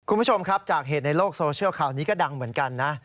คุณผู้ชมครับจากเหตุในโลกโซเชียลคราวนี้ก็ดังเหมือนกันนะ